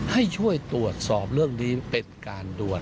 ให้ช่วยตรวจสอบเรื่องนี้เป็นการด่วน